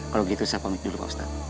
kalau begitu saya pamit dulu pak ustadz